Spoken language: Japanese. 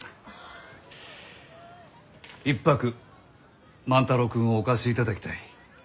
一泊万太郎君をお貸しいただきたい。